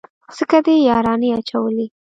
ځکه دې يارانې اچولي.